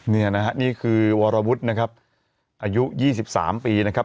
เนี้ยน่ะฮะนี่คือนะครับอายุยี่สิบสามปีนะครับ